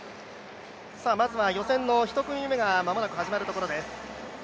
まずは予選の１組目が間もなく始まるところです。